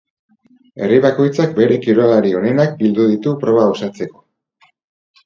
Herri bakoitzak bere kirolari onenak bildu ditu proba osatzeko.